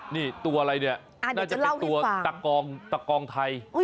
นี่ตัวอะไรเนี่ยน่าจะเป็นตัวตะกองตะกองไทย